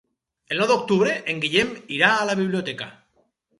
El nou d'octubre en Guillem irà a la biblioteca.